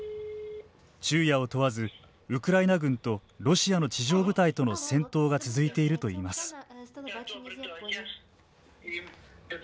昼夜を問わずウクライナ軍とロシアの地上部隊との戦闘が続いているといいます。